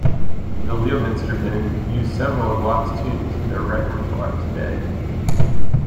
The Leominster men use several of Locke's tunes in their repertoire today.